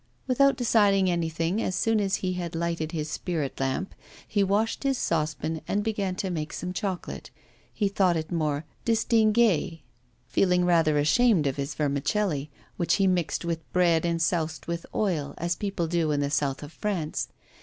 Without deciding anything, as soon as he had lighted his spirit lamp, he washed his saucepan and began to make some chocolate. He thought it more distingué, feeling rather ashamed of his vermicelli, which he mixed with bread and soused with oil as people do in the South of France.